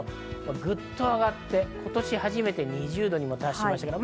ぐっと上がって、今年初めて２０度にも達しました。